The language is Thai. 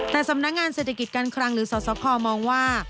แต่สำนักงานเศรษฐกิจการคลังหรือสสคมองว่า